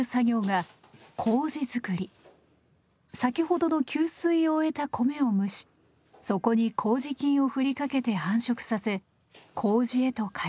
先ほどの吸水を終えた米を蒸しそこに麹菌をふりかけて繁殖させ麹へと変えていきます。